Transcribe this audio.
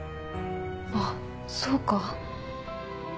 あっそうか。